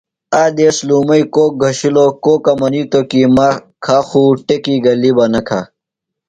آ دیس لُومئی کوک گھشِلوۡ۔ کوکہ منیتوۡ کی مہ کھہ خو ٹیۡکی گلیۡ بہ نہ کھہ۔